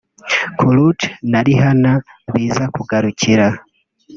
Karrueche na Rihanna biza kugarukira